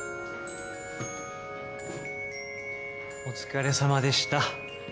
お疲れさまでした。